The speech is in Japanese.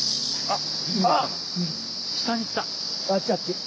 あっ！